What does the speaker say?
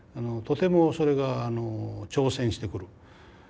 とてもそれが挑戦してくる。